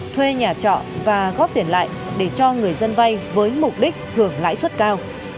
thuê nhà trọ và góp tiền lại để cho người dân vay với mục đích hưởng lãi suất cao